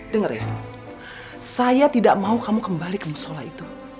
dengar ya saya tidak mau kamu kembali ke musola itu